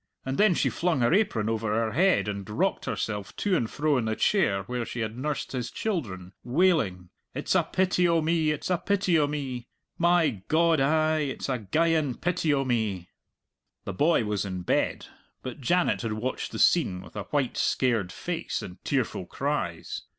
And then she flung her apron over her head and rocked herself to and fro in the chair where she had nursed his children, wailing, "It's a pity o' me, it's a pity o' me! My God, ay, it's a geyan pity o' me!" The boy was in bed, but Janet had watched the scene with a white, scared face and tearful cries.